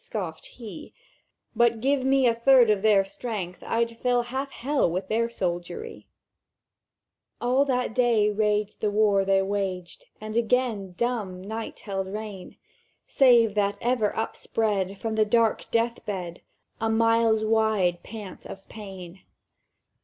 scoffèd He; 'But give me a third of their strength, I'd fill Half Hell with their soldiery!' [Picture: Sketch of town square, Leipzig?] "All that day raged the war they waged, And again dumb night held reign, Save that ever upspread from the dark deathbed A miles wide pant of pain.